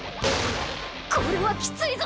これはキツいぞ！